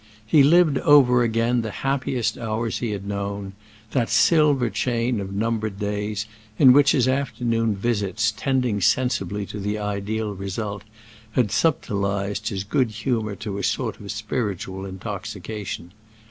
He lived over again the happiest hours he had known—that silver chain of numbered days in which his afternoon visits, tending sensibly to the ideal result, had subtilized his good humor to a sort of spiritual intoxication.